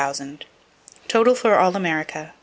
Seton. Total, for all America.